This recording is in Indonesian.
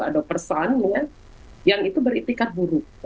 ada person yang itu beritikat buruk